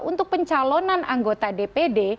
untuk pencalonan anggota dpd